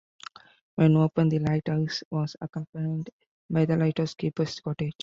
When opened, the lighthouse was accompanied by the lighthouse keeper's cottage.